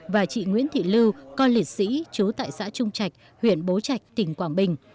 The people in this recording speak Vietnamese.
và chị nguyễn thị lưu con liệt sĩ chú tại xã trung trạch huyện bố trạch tỉnh quảng bình